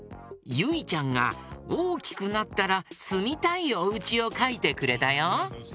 ゆいちゃんがおおきくなったらすみたいおうちをかいてくれたよ。